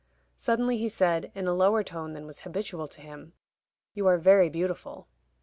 Suddenly he said, in a lower tone than was habitual to him: "You are very beautiful."